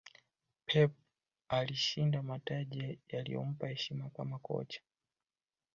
Pep alishinda mataji yaliyompa heshima akiwa kocha